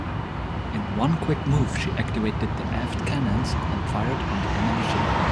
In one quick move, she activated the aft cannons and fired on the enemy ship.